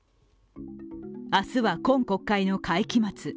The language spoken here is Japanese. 明日は、今国会の会期末。